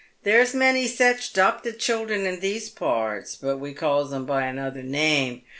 "There's many eech 'dopted children in these parts, but we calls 'em by another name.